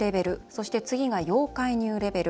そして、次が要介入レベル。